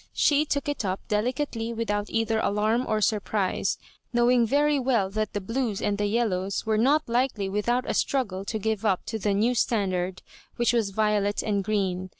She took it up deli cately without either alarm or surprise, knowing very well that the Blues and the Yellows were not likely without a struggle to give up to tho new standard, which was violet and green.